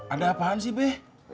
ada apaan sih be